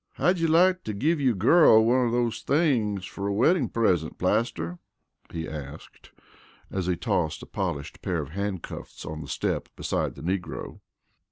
"How'd you like to give your girl one of these things for a wedding present, Plaster?" he asked, as he tossed a polished pair of handcuffs on the step beside the negro.